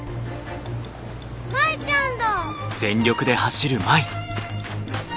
舞ちゃんだ！